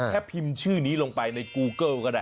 พิมพ์ชื่อนี้ลงไปในกูเกิลก็ได้